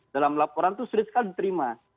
dalam laporan itu sulit sekali diterima